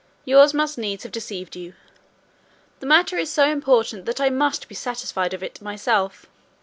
Yours must needs have deceived you; the matter is so important that I must be satisfied of it myself."